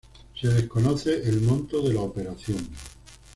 Se desconoce el monto de la operación.